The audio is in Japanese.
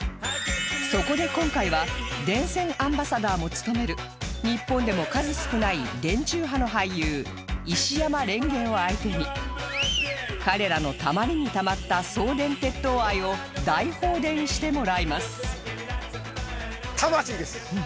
そこで今回は電線アンバサダーも務める日本でも数少ない電柱派の俳優石山蓮華を相手に彼らのたまりにたまった送電鉄塔愛を大放電してもらいます